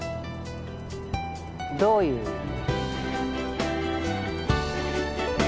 どういう意味？